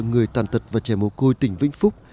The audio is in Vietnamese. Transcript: người tàn tật và trẻ mồ côi tỉnh vĩnh phúc